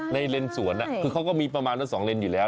เลนสวนคือเขาก็มีประมาณว่า๒เลนอยู่แล้ว